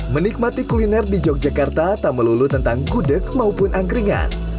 menikmati kuliner di yogyakarta tak melulu tentang gudeg maupun angkringan